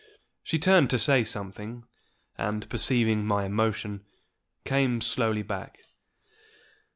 She turned to say something, and, perceiving my emotion, came slowly back.